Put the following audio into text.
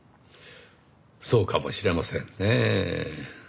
そうかもしれませんねぇ。